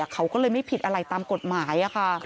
เขาก็เลยไม่ผิดอะไรตามกฎหมายค่ะ